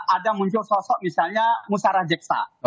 ada muncul sosok misalnya musarah jeksa